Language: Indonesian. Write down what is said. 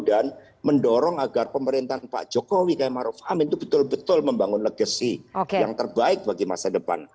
mendorong agar pemerintahan pak jokowi k maruf amin itu betul betul membangun legacy yang terbaik bagi masa depan